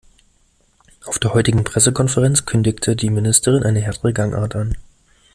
Auf der heutigen Pressekonferenz kündigte die Ministerin eine härtere Gangart an.